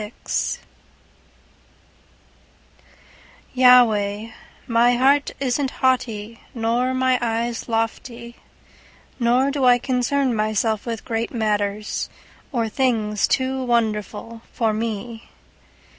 131:001 <> Yahweh, my heart isn't haughty, nor my eyes lofty; nor do I concern myself with great matters, or things too wonderful for me.